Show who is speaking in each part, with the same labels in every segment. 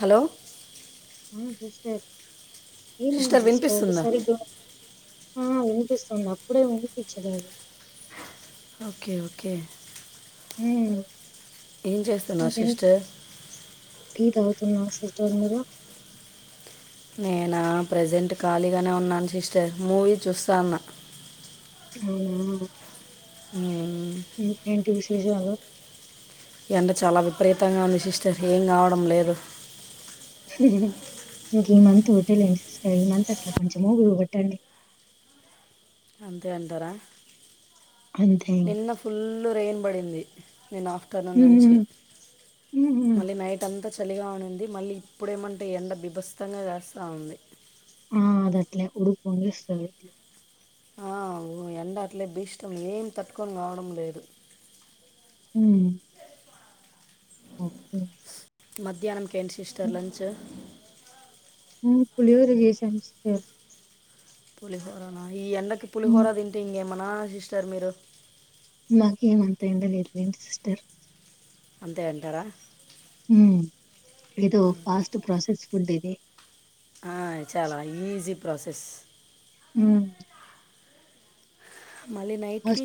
Speaker 1: Hello
Speaker 2: sister ఏమైంది
Speaker 1: sister
Speaker 2: sister
Speaker 1: వినిపిస్తుందా
Speaker 2: సరిదు ఆ వినిపిస్తుంది అప్పుడే వినిపించలేదు
Speaker 1: ఓకే ఓకే
Speaker 2: హమ్
Speaker 1: ఏం చేస్తున్నారు శిస్ట
Speaker 2: తన్నా సిస్టర్ మీరు
Speaker 1: నేనా ప్రజెంట్ ఖాళీగానే ఉన్నాను సిస్టర్ మూవీ చూస్తాన్న
Speaker 2: అవునా
Speaker 1: మ్మ్.
Speaker 2: ఏంటి విశేషా చాలు
Speaker 1: ఈ అంట చాలా విపరీతంగా ఉంది సిస్టర్ ఏం కావడం లేదు
Speaker 2: ఇంక ఈ మంత్ ఒకటలేండి సిస్టర్ ఈ మంత్ అట్లా కొంచెంవగట్టండి
Speaker 1: అ అంతే అంటారా
Speaker 2: అంతే ఇంక.
Speaker 1: నిన్న ఫుల్ రెయిన్ పడింది నేను ఆఫ్టర్నూన్ నుంచి
Speaker 2: ఉమ్ ఉమ్
Speaker 1: మళ్ళీ నైట్ అంతా చలిగా ఉంది మళ్ళీ ఇప్పుడేమంటే ఎండ బిభస్తంగా వస్తా ఉంది
Speaker 2: ఆ అదట్లే ఉడుకుంగేస్త అదట్లే
Speaker 1: ఆ ఓ ఎంండ అట్లే భీష్టం ఏం తట్టుకొని కావడం లేదు
Speaker 2: హ ఓకే
Speaker 1: మధ్యాహ్నం కే ఎం సిస్టర్ లంచ్
Speaker 2: పులిహోర చేసా అ
Speaker 1: పులిహోరనా ఈ ఎండకి
Speaker 2: ఉమ్
Speaker 1: పులిహోర తింటే ఇంకేమనా సిస్టర్ మీరు
Speaker 2: మాక ఏమంతా ఏంద లేదులేంటి సిస్టర్
Speaker 1: అంతే అంటారా
Speaker 2: ఉ ఏదో ఫాస్ట్ ప్రాసెస్ ఫుడ్ ఇది
Speaker 1: ఆ చాలా ఈజీ ప్రాసెస్
Speaker 2: ఉ
Speaker 1: మళ్ళీ నైట్కి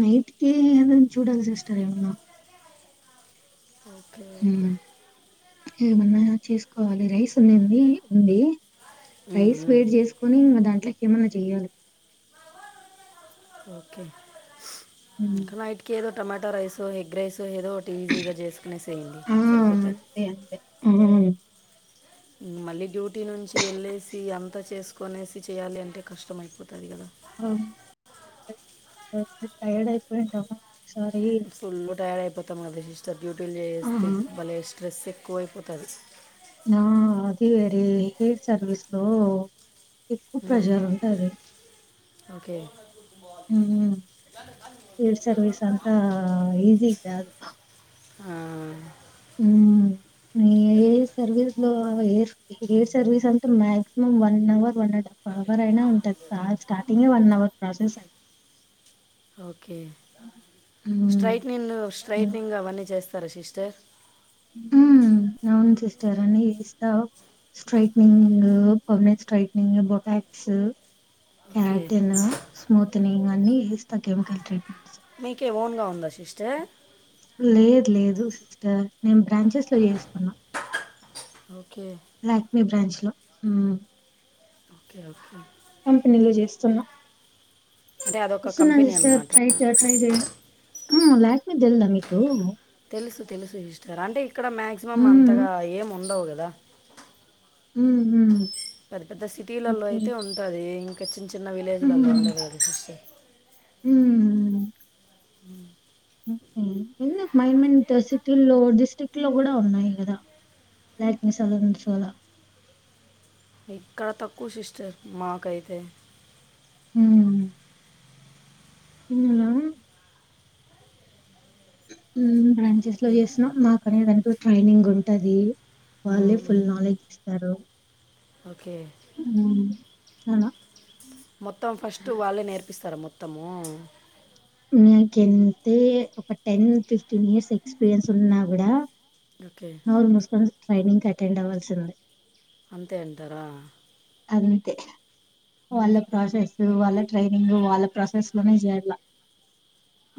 Speaker 2: నైటికి ఏదైనా చూడాలి సిస్టర్ ఏమన్నా
Speaker 1: ఓకే ఓకే
Speaker 2: హ్మ్. ఏమన్నా చేసుకోవాలి రైస్ ఉనేది ఉంది రైస్ వేడి చేసుకొని ఇంకా దాంట్లోకి ఏమన్నా చెయ్యాలి
Speaker 1: ఓకే
Speaker 2: హ్మ్.
Speaker 1: నైట్కి ఏదో tomato rice egg rice so ఏదో ఒకటి ఈజీగా చేసుకునేసేయండి
Speaker 2: ఆ!
Speaker 1: సరిపోతది
Speaker 2: అంతే అంతే. హ్మ్.
Speaker 1: ఉ మళ్ళీ డ్యూటీ నుంచి వెళ్ళేసి అంత చేసుకోనేసి చేయాలి అంటే కష్టం అయిపోతుంది కదా
Speaker 2: ఆ ఇంటికి వస్తే టైడ్ అయిపోయింటాము ఒకసారి.
Speaker 1: ఫుల్ టైడ్ అయిపోతాం అదే సిస్టర్ డ్యూటీలు
Speaker 2: ఆహా!
Speaker 1: చేస్తేలే భలే స్ట్రెస్ ఏ ఎక్కువైపోతది
Speaker 2: ఆ అది వేరే హెయిర్ సర్వీస్ లో ఎక్కువ ప్రెజర్ ఉంటది
Speaker 1: ఓకే
Speaker 2: ఉ హెయిర్ సర్వీస్ అంతా ఈజీ కాదు
Speaker 1: ఆ
Speaker 2: ఉ ఇంగా హెయిర్ సర్వీస్ లో హెయిర్ హెయిర్ సర్వీస్ అంటే maximum one hour one and half hour అయినా ఉంటది కాల్ స్టార్టింగే వన్ అవర్ ప్రాసెస్ అది
Speaker 1: ఓకే
Speaker 2: హ్మ్.
Speaker 1: స్ట్రట్నింగ్ స్ట్రట్నింగ్ అవన్నీ చేస్ తార సిస్టర్
Speaker 2: తరణి ఇస్తా
Speaker 1: okay
Speaker 2: straightening permanent straightening botox
Speaker 1: okay
Speaker 2: keratin smoothening అన్ని చేస్తా కెమికల్ ట్రీట్
Speaker 1: మీకే ఓన్ గా ఉందా సిస్టర్
Speaker 2: లేదు లేదు సిస్టర్ నేను బ్రాంచెస్ లో చేస్తున్నా
Speaker 1: ఓకే
Speaker 2: లాక్ మీ బ్రాంచ్ లో ఉ
Speaker 1: ఓకే ఓకే
Speaker 2: కంపెనీలో చేస్తున్నా
Speaker 1: అంటే అదొక
Speaker 2: ఇస్తున్న
Speaker 1: కంపెనీ
Speaker 2: సిస్టర్
Speaker 1: అన్నమాట
Speaker 2: టై చే టై చే ఉ లాక్ మీ తేల్ద మీకు
Speaker 1: తెలుసు తెలుసు సిస్టర్ అంటే ఇక్కడ మాక్సిమం
Speaker 2: హ్మ్.
Speaker 1: అంతగా ఏం ఉండవు గదా
Speaker 2: ఉహు
Speaker 1: పెద్ద పెద్ద సిటీలలో అయితే ఉంటది ఇంకా చిన్న చిన్న విలేజ్లలో ఉండదు గద సిస్టర్
Speaker 2: ఉ
Speaker 1: ఉ
Speaker 2: ఉ ఎందుకు మైన్ మన్ సిటీల్లో డిస్టిరిక్ట్ లో గుడా ఉన్నాయి గదా లాక్ మీ సలోన్స్ అలా
Speaker 1: ఇక్కడ తక్కువ సిస్టర్ మాకైతే
Speaker 2: ఉ ఉనా ఉ బ్రాంచెస్ లో చేసినా మాకు అనేది అంటు ట్రైనింగ్ ఉంటది వాళ్ళే
Speaker 1: మ్మ్.
Speaker 2: ఫుల్ నాలెడ్జ్ ఇస్తారు
Speaker 1: ఓకే
Speaker 2: [unintelligible] అవును
Speaker 1: మొత్తం ఫస్టు వాళ్ళే నేర్పిస్తరా మొత్తమూ
Speaker 2: నీకంటే ఒక టెన్ ఫిఫ్టీన్ ఇయర్స్ ఎక్స్పీరియన్స్ ఉన్నా గుడా
Speaker 1: ఓకే
Speaker 2: నోరు ముసుకొని ట్రైనింగ్కి అటెండ్ అవ్వాల్సిందె
Speaker 1: అంతే అంటారా
Speaker 2: అంతె వాళ్ళ ప్రాసెస్సూ వాళ్ళ ట్రైనింగు వాళ్ళ ప్రాసెస్ లొనే జెయాలిగ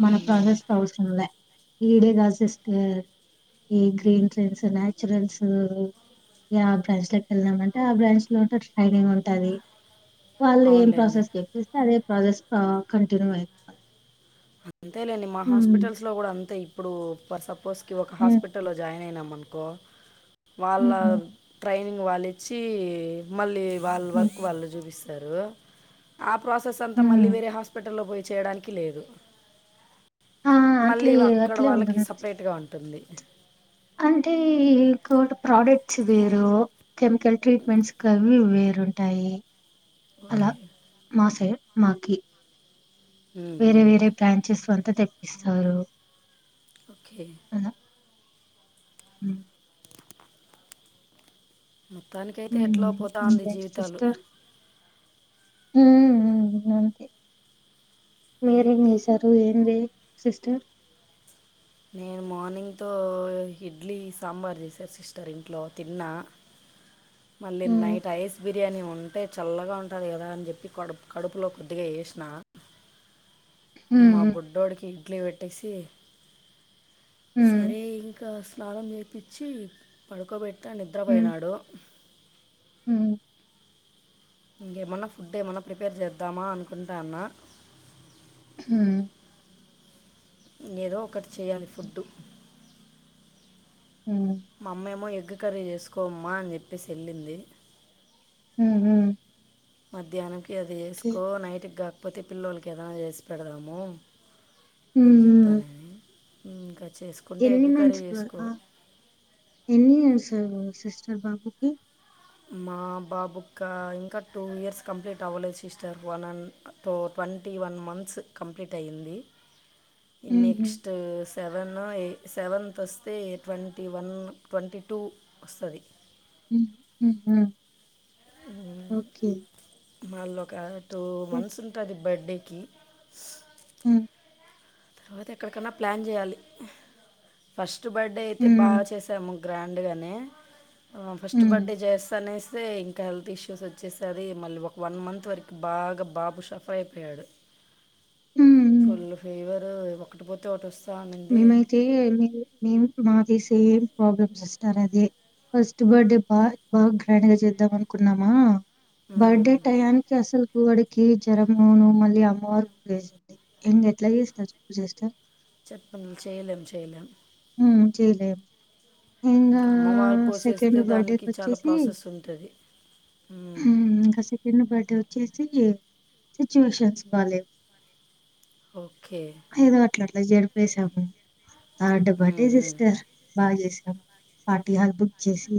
Speaker 2: మన ప్రాసెస్
Speaker 1: అవునులేండి
Speaker 2: అవసరంలే ఈడేగా సిస్టర్ ఈ గ్రీన్ ట్రెన్స్ న్యాచురల్స్ ఊ ఉ ఇగా బ్రాచ్లకెళ్దామంటే ఆ బ్రాంచ్ [unintelligible] ట్రైనింగ్ ఉంటాది వాళ్ళు ఏం
Speaker 1: అవునులేండి
Speaker 2: ప్రాసెస్ చెప్పిస్తె అదే ప్రాసెస్ కా కంటిన్యూ అయితది
Speaker 1: అంతేలేండి మా హాస్పిటల్స్ లో గుడా అంతే ఇప్పుడూ పర్ సపోజ్కి ఒక హాస్పిటల్ లో జాయిన్ అయినం అనుకో వాళ్ళ ట్రైనింగ్ వాళ్ళిచ్చీ మళ్ళీ వాళ్ళ వర్క్ వాళ్ళు జూపిస్తరూ ఆ ప్రాసెస్ అంతా మళ్ళీ వేరే హాస్పిటల్లో బోయి చేయడానికి లేదు
Speaker 2: ఆ
Speaker 1: మళ్ళీ
Speaker 2: అట్లే
Speaker 1: ఇవి అక్కడి
Speaker 2: అట్లే
Speaker 1: వాళ్ళకి
Speaker 2: ఉంటుంది సిస్టర్.
Speaker 1: సపరేట్గా ఉంటుంది
Speaker 2: అంటే ఇంకోటి ప్రాడక్ట్స్ వేరూ కెమికల్ ట్రీట్మెంట్స్ కవి వేరు రుంటాయి అలా
Speaker 1: ఓకే
Speaker 2: మాసై మాకి
Speaker 1: ఉమ్,
Speaker 2: వేరే
Speaker 1: ఉమ్.
Speaker 2: వేరే బ్రాంచెస్ అంతా తెప్పిస్తారు
Speaker 1: ఒకే
Speaker 2: మ్
Speaker 1: మొత్తానికైతే ఎట్లో పోతాంది
Speaker 2: ఇంకేం
Speaker 1: జీవితాలు
Speaker 2: హ్మ్ అంతె
Speaker 1: ఓకే
Speaker 2: మీరేంజేసారు ఏంజె సిస్టర్
Speaker 1: నేను మార్నింగ్తో ఇడ్లీ సాంబార్ జేసా సిస్టర్ ఇంట్లో తిన్నా మళ్ళి
Speaker 2: ఉమ్
Speaker 1: నైట్ ఐస్ బిర్యానీ ఒండ్ టే చల్లగా ఉంటాది గదా అన్జెప్పి కడుపు కడుపులో కొద్దిగా ఏష్నా మా
Speaker 2: ఉమ్
Speaker 1: బుడ్డోడికి ఇడ్లీ వెట్టేసి
Speaker 2: ఉమ్
Speaker 1: సరే ఇం క స్నానం జేపిచ్చీ పడుకోబెట్టా నిద్రబొయినాడు
Speaker 2: హు
Speaker 1: ఇంగేమన్న ఫుడ్డేమన్నా ప్రిపేర్ జేద్దామా అనుకుంటాన్న
Speaker 2: హు
Speaker 1: ఇంగేదో ఒకటి చేయ్యాలి ఫుడ్డు
Speaker 2: ఉమ్
Speaker 1: మామ్మేమో ఎగ్గు కర్రీ జేసుకోమ్మా అన్ జెప్పేసి ఎళ్ళింది
Speaker 2: ఊహూ
Speaker 1: మధ్యాహ్నంనికి అది చేసుకో నైట్కి గాకపోతే పిల్లోనికి ఏదనా జేసి పెడదామూ
Speaker 2: ఉమ్
Speaker 1: అన్జెప్పనే
Speaker 2: ఎన్ని మంత్స్ పాప ఎన్నియర్స్ ఆ సిస్టర్ బాబుకి
Speaker 1: మా బాబుకా ఇంకా టూ ఇయర్స్ కంప్లీట్ అవ్వలేదు sister one and two twenty one months complete అయ్యింది
Speaker 2: హుహు.
Speaker 1: నెక్స్ట్ సెప్ ఆ ఈ సెవెన్తొస్తే ట్వంటీ వన్ ట్వంటీ టూ వస్తది
Speaker 2: ఉ ఊహు ఓక్కే
Speaker 1: మల్లొకా టూ మంత్స్ ఉంటాది బర్డేకి
Speaker 2: ఉ
Speaker 1: ఆ తర్వాత ఎక్కడికన్నా ప్లాన్ చేయాలి ఫస్ట్ బర్డె అయితే బాగా
Speaker 2: ఉమ్
Speaker 1: చేసాము గ్రాండ్గానే ఫస్ట్
Speaker 2: ఉమ్
Speaker 1: బర్డె జేస్ అనేస్తే హెల్త్ ఇష్యూస్ వచ్చేసరి మళ్ళీ ఒక వన్ మంత్ వరకు బాగా బాబు సఫర్ అయిపోయాడు
Speaker 2: ఉమ్
Speaker 1: ఫుల్ ఫీవర్ ఒకటి పోతే ఒకటి వస్
Speaker 2: మేమైతే మీరు మేం మాది సేమ్ ప్రాబ్లమ్ సిస్టర్ అదే ఫస్ట్ బర్డే బా బాగా గ్రాండ్ గా చేద్దాం అనుకున్నామా బర్డే
Speaker 1: ఉమ్,
Speaker 2: టయానికి అసల్కు వా కి జరంను మళ్ళీ అమ్మవారు వేసింది ఇంగ ఎట్లా చేస్తారు చెప్పు సిస్టర్
Speaker 1: చెప్పను చేయలేం చేయలేం
Speaker 2: చేయలేం
Speaker 1: ఇంకా అమ్మవారు పోసేస్తే దానికి చాలా ప్రాసెస్ ఉంటది
Speaker 2: మ్ ఇంక సెంకడ బర్డే వచ్చేసి సిచువేషన్స్ బాలేవు
Speaker 1: ఓకే
Speaker 2: అలా జరిపేసాము థర్డ్
Speaker 1: ఉమ్,
Speaker 2: బర్త్డే
Speaker 1: ఉమ్,
Speaker 2: సిస్టర్ బా చేసి పార్టీ హాల్ బుక్ చేసి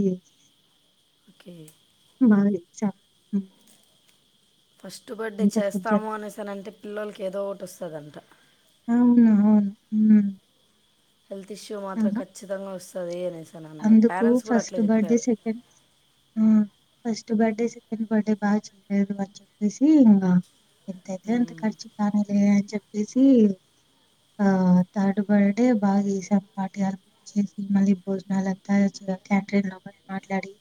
Speaker 1: ఒకే
Speaker 2: బాగా రిచ్చ
Speaker 1: ఫస్ట్ బర్డే చేస్తాము అనేసనంటే పిల్లలకి ఏదో ఒకటి వస్తదంట
Speaker 2: అవునవును మ్
Speaker 1: హెల్త్ ఇష్యూ మాత్రం ఖచ్చితంగా వస్తది అనే
Speaker 2: అందుకు ఫస్ట్ బర్త్డే సెకండ్ మ్ ఫస్ట్ బర్డే సెకండ్ బర్డే బాగా చేయలేదు అని చెప్పేసి ఇంగ ఎంతైతే అంత
Speaker 1: ఉమ్,
Speaker 2: ఖర్చు కానీలే అని చెప్పేసి ఆ థర్డ్ బర్డే బాగా చేసాం పార్టీ హాల్ బుక్ చేసి మళ్ళీ బో నాలద్దా యచ్చుగ క్యాంట్రిన్ లోన మాట్లాడి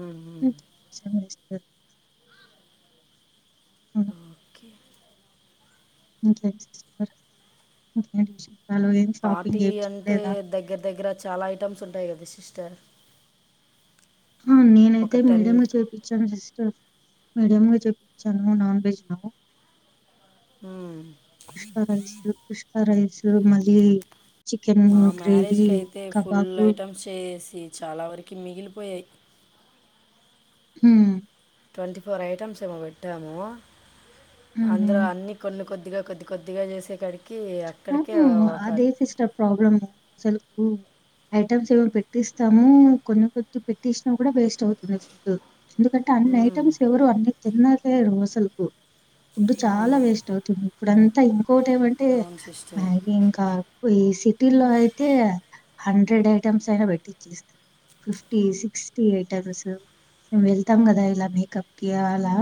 Speaker 1: ఉమ్,
Speaker 2: మ్ శమి దు అన
Speaker 1: ఉమ్, ఓకే
Speaker 2: ఇంకే చెప్పర ఇంకేంటి విస్ నాలో ఏం షాపింగ్
Speaker 1: పార్టీ
Speaker 2: ఏం
Speaker 1: అంటే
Speaker 2: చేయలేదా
Speaker 1: దగ్గర దగ్గర చాలా ఐటమ్స్ ఉంటాయి కదా సిస్టర్
Speaker 2: ఆ నేనైతే
Speaker 1: ఒక
Speaker 2: మీడియం
Speaker 1: టెన్
Speaker 2: లో చూపించాను సిస్టర్ మీడియవే చె చ్చన్ము నాన్ వెజ్ నము కుష్క రైసు పుష్క రైసు మళ్ళీ చికెన్
Speaker 1: మా
Speaker 2: గ్రేవీ
Speaker 1: మ్యారేజ్ కయితే ఫుల్
Speaker 2: కబాబు
Speaker 1: ఐటమ్స్ చేసి చాలా వరకి మిగిలిపోయాయి
Speaker 2: ఉమ్
Speaker 1: ట్వంటీ ఫోర్ ఐటమ్స్ ఏమో పెట్టాము అందులో
Speaker 2: హ్మ్.
Speaker 1: అన్ని కొన్ని కొద్దిగా కొద్ది కొద్దిగా చేసే కాడికి
Speaker 2: మ్ హు అదే సిస్టర్ ప్రాబ్లము అసలుకు ఐటమ్స్ ఏవో పెట్టిస్తాము కొన్ని కొద్ది పెట్టిసినా కూడా వేస్ట్ అవుతుంది ఫుడ్ ఎందుకంటే అన్ని
Speaker 1: మ్మ్,
Speaker 2: ఐటమ్స్ ఎవరు అన్ని తిన్నలేరు అసలుకు ఫుడ్డు చాలా
Speaker 1: అవును
Speaker 2: వేస్ట్ అవుతుంది ఇప్పుడంతా ఇంకోటి ఏమంటే
Speaker 1: అవును సిస్టర్
Speaker 2: మ్యాగీ ఇంకా వేసి టిలో అయితే హండ్రెడ్ ఐటమ్స్ అయినా పెట్టిచ్చేస్తారు ఫిఫ్టీ సిక్స్టి ఐయిట్మామ్సు మేము వెళ్తాం కదా ఇలా మేకప్‌కి అలా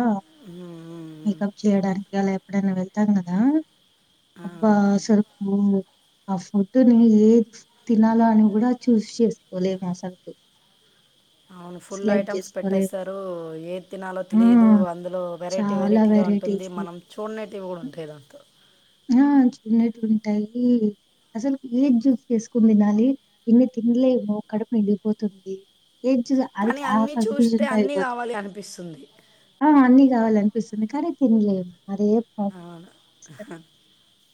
Speaker 1: మ్మ్, మ్మ్,
Speaker 2: మేకప్ చేయడానికి అలా ఎప్పుడైనా వెళ్తాం కదా
Speaker 1: ఆ,
Speaker 2: వా సరుకు ఆ పుడ్ నీ ఏద్ తినాలో అని కూడా చూస్ చేసుకోలేము అసలుకి
Speaker 1: అవును పుల్ ఐటమ్స్
Speaker 2: జేసుకోలేము.
Speaker 1: పెట్టేస్తారు ఏది తినాలో తెలిదు
Speaker 2: హ్మ్.
Speaker 1: అందులో వెరైటీ
Speaker 2: చాలా
Speaker 1: వెరైటీగా ఉంటుం ది
Speaker 2: వెరైటీస్.
Speaker 1: మనం చూడనేటివి కూడా ఉంటాయి దాంట్లో
Speaker 2: ఆ చూడ్నేటీవి ఉంటాయి అసలు ఏది చూస్ చేసుకుని తినాలి ఎన్ని తిన్లేము కడపు నిండిగిపోతుంది ఏం చుశ అది
Speaker 1: కానీ
Speaker 2: ఆ
Speaker 1: అన్నీ చూస్తే
Speaker 2: కన్ఫ్యూజన్
Speaker 1: అన్నీ
Speaker 2: అయిపోతుది
Speaker 1: కావాలి అనిపిస్తుంది
Speaker 2: ఆ అన్ని కావాలనిపిస్తుంది కానీ తినలేము అదే ప్రాబ్లం
Speaker 1: అవును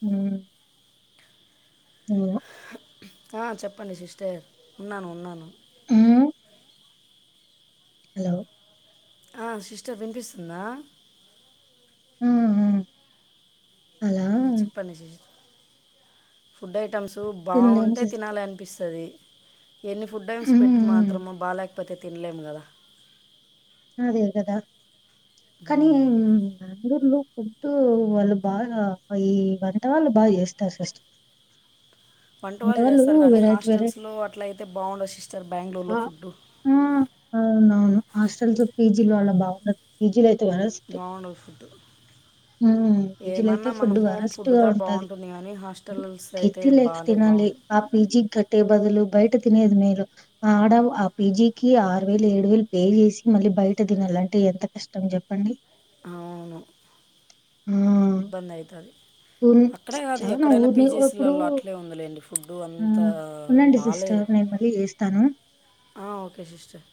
Speaker 2: ఉమ్మ్
Speaker 1: ఆ చెప్పండి సిస్టర్ ఉన్నాను ఉన్నాను
Speaker 2: ఉమ్మ్ హలో
Speaker 1: ఆ సిస్టర్ వినిపిస్తుందా
Speaker 2: ఆ! ఆ! అలా
Speaker 1: ఉమ్మ్ చెప్పండి సి ఫుడ్ ఐటమ్స్
Speaker 2: తినలేము
Speaker 1: బాగుంటే
Speaker 2: సిస్టర్.
Speaker 1: తినాలి అనిపిస్తాది ఎన్ని ఫుడ్ ఐమ్స్
Speaker 2: హ్మ్.
Speaker 1: పెట్టి
Speaker 2: హ్మ్.
Speaker 1: మాత్రము బాలేకపోతే తినలేము కదా
Speaker 2: అదే కదా కానీ బెంగళూరులో ఫుడ్డు వాళ్ళు బాగా పై వంటవాళ్ళు బాగా చేస్తారు సిస్టర్
Speaker 1: వంట వాళ్ళు చేస్తారు కానీ హాస్టల్స్లో అట్ల అయితే బాగుండదు సిస్టర్ బెంగళూరులో
Speaker 2: ఆ!
Speaker 1: ఫుడ్
Speaker 2: ఆ అవునవును హాస్టల్స్ పీజీలో అడ బాగుండదు పీజీల
Speaker 1: బాగుండదు ఫుడ్డు
Speaker 2: హ్మ్. పీజీలో అయితే
Speaker 1: ఏమన్నా మనం
Speaker 2: ఫుడ్
Speaker 1: హోమ్ ఫుడ్
Speaker 2: వరస్ట్‌గా
Speaker 1: దా
Speaker 2: ఉంటది.
Speaker 1: బాగుంటుంది కానీ హాస్టల్స్ అయితే బాలేదు
Speaker 2: నాలి ఆ పిజికి కట్టే బదులు బయట తినేది మేలు అడ ఆ పీజికి ఆరు వేలు ఏడు వేలు పే చేసి మళ్ళీ బయట తినాలంటే ఎంత కష్టం చెప్పండి
Speaker 1: అవును
Speaker 2: ఆ
Speaker 1: ఇబ్బందైతాది
Speaker 2: ఉన్
Speaker 1: అక్కడే కాదు
Speaker 2: చాలా
Speaker 1: ఎక్కడైనా
Speaker 2: ఊరిని ఇప్పుడు
Speaker 1: పీజీసీలలో అట్లే ఉందిలేండి ఫుడ్ అంతా
Speaker 2: హ్మ్. ఉండండి
Speaker 1: బాలేదు
Speaker 2: సిస్టర్ నేను మళ్ళీ చేస్తాను
Speaker 1: ఆ ఓకే సిస్టర్